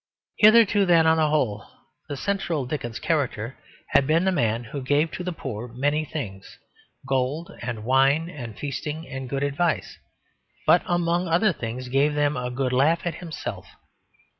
Hitherto, then, on the whole, the central Dickens character had been the man who gave to the poor many things, gold and wine and feasting and good advice; but among other things gave them a good laugh at himself.